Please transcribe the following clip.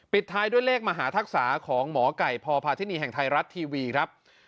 ท้ายด้วยเลขมหาทักษะของหมอไก่พพาธินีแห่งไทยรัฐทีวีครับ